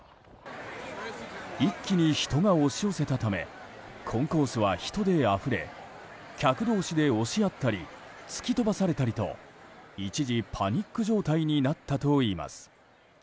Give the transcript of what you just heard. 一気に人が押し寄せたためコンコースは人であふれ客同士で押し合ったり突き飛ばされたりと一時、パニック状態になったといいます。